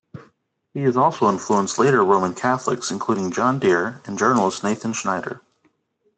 He has also influenced later Roman Catholics, including John Dear and journalist Nathan Schneider.